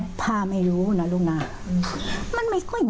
กับพ่าไม่รู้นะลูกหน้ารู้ใช่ไหม